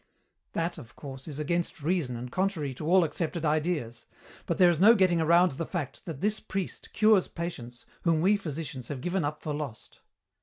"That, of course, is against reason and contrary to all accepted ideas, but there is no getting around the fact that this priest cures patients whom we physicians have given up for lost."